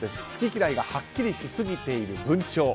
好き嫌いがはっきりしすぎている文鳥。